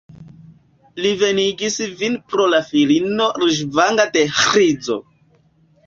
Li venigis vin pro la filino ruĝvanga de Ĥrizo.